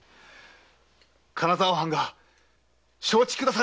金沢藩が承知くださいました！